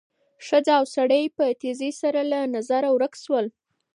ښځه او سړی په تېزۍ سره له نظره ورک شول.